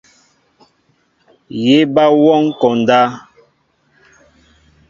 Yé ba wɔŋ konda.